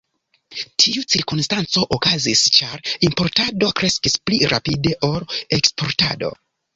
Tiu cirkonstanco okazis ĉar importado kreskis pli rapide ol eksportado.